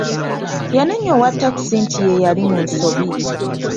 Yanenya owa takisi nti yeyali mu nsobi.